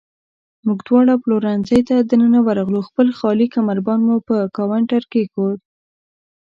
موږ دواړه پلورنځۍ ته دننه ورغلو، خپل خالي کمربند مې پر کاونټر کېښود.